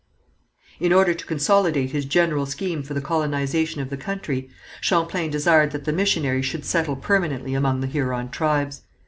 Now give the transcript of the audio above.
In order to consolidate his general scheme for the colonization of the country, Champlain desired that the missionaries should settle permanently among the Huron tribes.